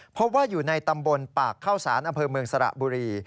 เพราะว่าอยู่ในตำบลปากเข้าสารอำเภอเมืองสระบุรี